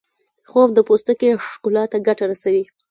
خوب د پوستکي ښکلا ته ګټه رسوي